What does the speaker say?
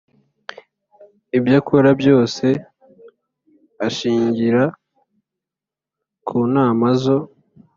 ibyakora byose ashingira kunama zo